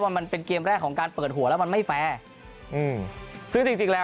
ว่ามันเป็นเกมแรกของการเปิดหัวแล้วมันไม่แฟร์